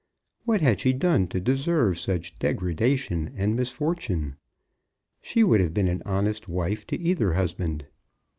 What had she done to deserve such degradation and misfortune? She would have been an honest wife to either husband!